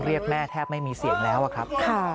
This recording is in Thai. เรียกแม่แทบไม่มีเสียงแล้วอะครับ